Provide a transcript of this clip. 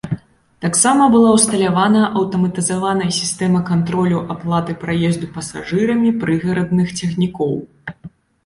Таксама была ўсталяваная аўтаматызаваная сістэма кантролю аплаты праезду пасажырамі прыгарадных цягнікоў.